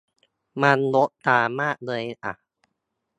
มันรกตามากเลยอ่ะ